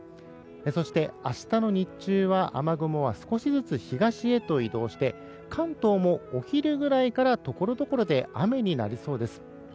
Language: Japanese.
そして、明日の日中は雨雲は少しずつ東へと移動して関東も、お昼ぐらいからところどころで雨になりそうです。